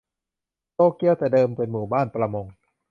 โตเกียวแต่เดิมเป็นหมู่บ้านประมง